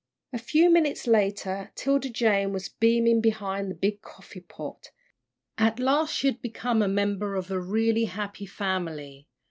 A few minutes later 'Tilda Jane was beaming behind the big coffee pot. At last she had become a member of a really happy family.